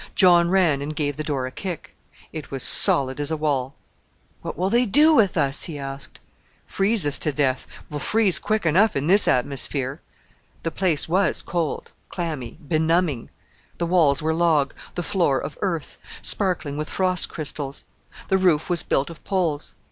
John ran and gave the door a kick: it was solid as a wall. "What will they do with us?" he asked. "Freeze us to death; we'll freeze quick enough in this atmosphere." The place was cold, clammy, benumbing. The walls were log; the floor of earth, sparkling with frost crystals; the roof was built of poles.